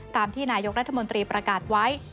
ตามที่นายกรัฐมนตรีประกาศไว้